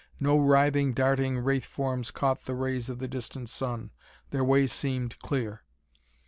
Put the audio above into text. No writhing, darting wraith forms caught the rays of the distant sun. Their way seemed clear.